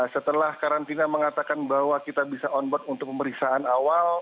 setelah karantina mengatakan bahwa kita bisa on board untuk pemeriksaan awal